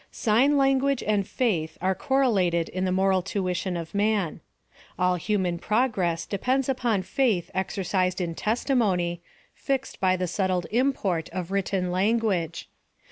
Sign language and Faith are correlated in the moral tuition of man. All human progress depends upon faith exercised in testimony, fixed by the settled import of written language.